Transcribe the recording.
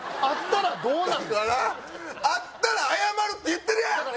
あったらどうなんの？だからあったら謝るって言ってるやん！